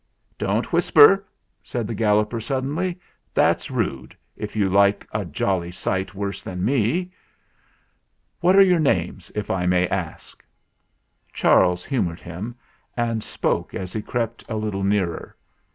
"Don't whisper," said the Galloper suddenly ; "that's rude, if you like a jolly sight worse 214 THE FLINT HEART than me. What are your names, if I may ask?" Charles humoured him and spoke as he crept a little nearer.